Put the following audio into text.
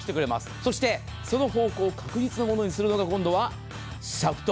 そしてその方向を確実のものにするのがシャフト。